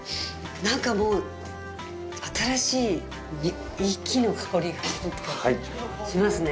なんかもう新しい木の香りがしますね。